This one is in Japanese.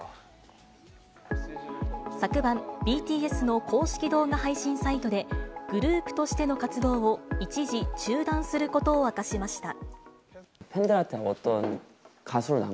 昨晩、ＢＴＳの公式動画配信サイトで、グループとしての活動を一時中断することを明かしました。